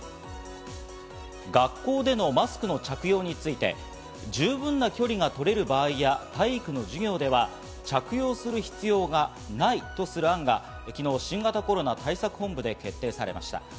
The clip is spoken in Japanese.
学校でのマスクの着用について、十分な距離が取れる場合や、体育の授業では着用する必要がないとする案が昨日、新型コロナ対策本部で決定されました。